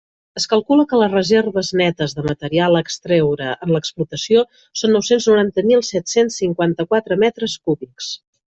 Es calcula que les reserves netes de material a extraure en l'explotació són nou-cents noranta mil set-cents cinquanta-quatre metres cúbics.